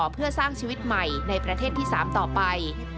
เพื่อสร้างชีวิตใหม่ในประเทศที่๓ต่อไป